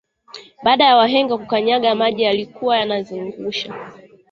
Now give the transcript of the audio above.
Baada ya wahenga kukanyaga maji yaliyokuwa yanajizungusha